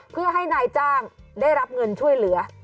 เพื่อให้นายจ้างได้รับเงินช่วยเหลือ